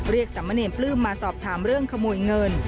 เรียกสามะเนมปลื้มมาสอบถามเรื่องขโมยเงิน